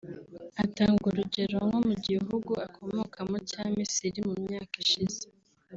atanga urugero nko mu gihugu akomokamo cya Misiri mu myaka ishize